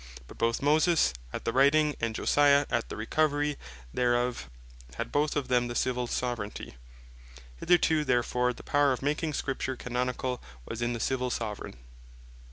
But both Moses at the writing, and Josiah at the recovery thereof, had both of them the Civill Soveraignty. Hitherto therefore the Power of making Scripture Canonicall, was in the Civill Soveraign.